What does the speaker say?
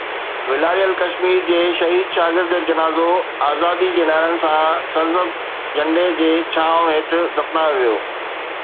والاريل ڪشمير جي شهيد شاگرد جو جنازو آزادي جي نعرن سان سرسبز جهنڊي جي ڇانو هيٺ دفنايو ويو.